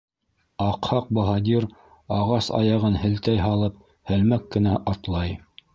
Аҡһаҡ баһадир, ағас аяғын һелтәй һалып, һәлмәк кенә атлай.